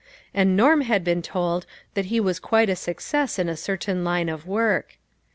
And Norm had been told that he was quite a success in a certain line of work.